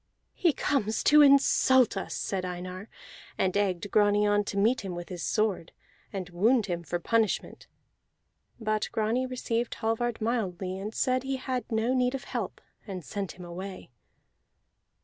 "He comes to insult us," said Einar, and egged Grani on to meet him with his sword, and wound him for punishment. But Grani received Hallvard mildly, and said he had no need of help, and sent him away.